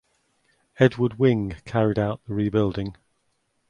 Edward Wing carried out the rebuilding.